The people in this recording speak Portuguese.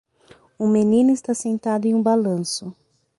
Um menino está sentado em um balanço.